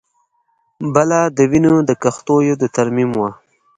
بله د وین د کښتیو د ترمیم وه